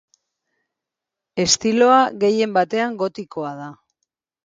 Estiloa gehien batean gotikoa da.